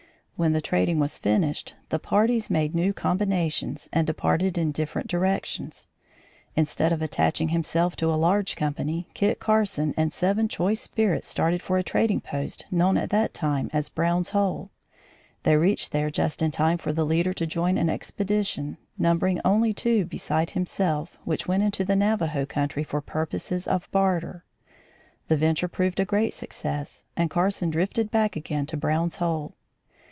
When the trading was finished, the parties made new combinations and departed in different directions. Instead of attaching himself to a large company, Kit Carson and seven choice spirits started for a trading post known at that time as Brown's Hole. They reached there just in time for the leader to join an expedition, numbering only two beside himself, which went into the Navajoe country for purposes of barter. The venture proved a great success and Carson drifted back again to Brown's Hole.